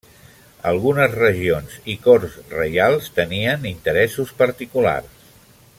Algunes regions i corts reials tenien interessos particulars.